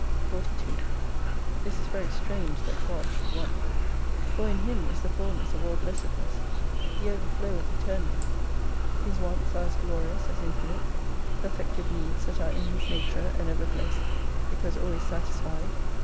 42 This is very strange that God should want. For in Him is the fulness of all Blessedness : He overfloweth eternally. His wants are as glorious as infinite : perfec tive needs that are in His nature, and ever Blessed, because always satisfied.